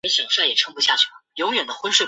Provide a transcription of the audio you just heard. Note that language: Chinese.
由于维权活动受到政治迫害。